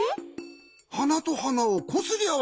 はなとはなをこすりあわせる。